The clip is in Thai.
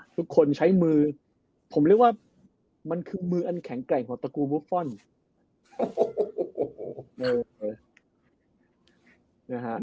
ทุกคนใช้มือผมเรียกว่ามันคือมืออันแข็งแกร่งของตระกูลบุฟฟอลโอ้โหนะฮะ